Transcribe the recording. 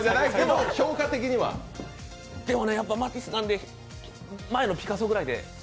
でもマティスなんで前のピカソぐらいで。